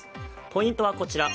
ポイントはこちら。